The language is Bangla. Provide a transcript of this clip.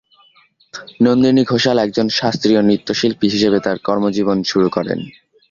নন্দিনী ঘোষাল একজন শাস্ত্রীয় নৃত্যশিল্পী হিসেবে তার কর্মজীবন শুরু করেন।